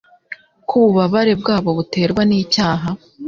ko ububabare bwabo buterwa n’icyaha.